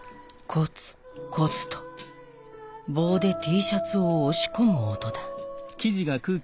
コツコツと棒でＴシャツを押し込む音だ。